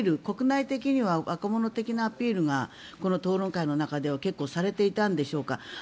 国内的には若者向けのアピールがこの討論会の中で結構されていたんでしょうか。